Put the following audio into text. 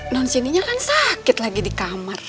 nonsindinya kan sakit lagi di kamar